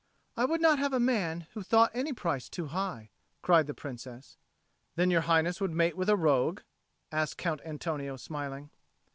"I would not have a man who thought any price too high," cried the Princess. "Then your Highness would mate with a rogue?" asked Count Antonio, smiling.